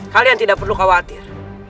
kalian tidak perlu khawatir